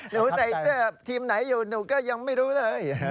หนูใส่เสื้อทีมไหนอยู่หนูก็ยังไม่รู้เลย